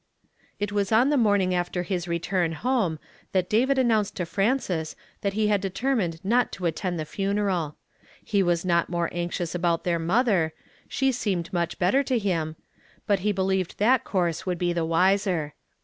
It was on the morning after his return home that David unnoiuiced to Frances that he iiad determined not to attend the funeral, lie was i,.: 158 YESTERDAY FRAMED IN TO DAY. not more anxious about their mother, she seemed nnich better to him ; but he believed that course would be the wiser.